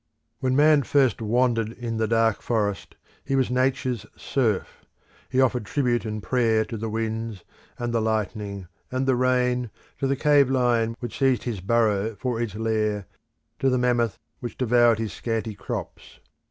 When Man first wandered in the dark forest, he was Nature's serf; he offered tribute and prayer to the winds, and the lightning, and the rain, to the cave lion, which seized his burrow for its lair, to the mammoth, which devoured his scanty crops.